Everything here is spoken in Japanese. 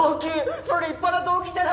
それ立派な動機じゃないっすか！